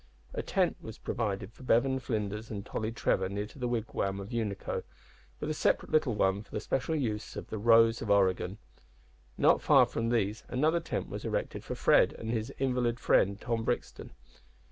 A tent was provided for Bevan, Flinders, and Tolly Trevor near to the wigwam of Unaco, with a separate little one for the special use of the Rose of Oregon. Not far from these another tent was erected for Fred and his invalid friend Tom Brixton.